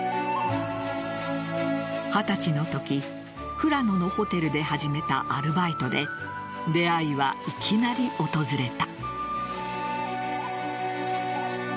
二十歳のとき富良野のホテルで始めたアルバイトで出会いはいきなり訪れた。